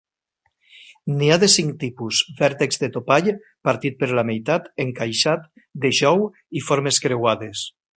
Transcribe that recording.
N'hi ha de cinc tipus, vèrtex de topall, partit per la meitat, encaixat, de jou y formes creuades.